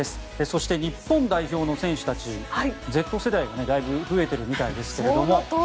そして日本代表の選手たちＺ世代もだいぶ増えているみたいですけど。